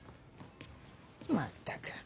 まったく。